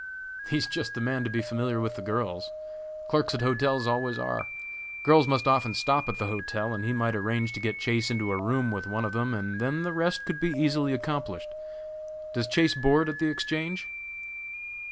"He is just the man to be familiar with the girls. Clerks at hotels always are. Girls must often stop at the hotel, and he might arrange to get Chase into a room with one of them, and then the rest could be easily accomplished. Does Chase board at the Exchange?"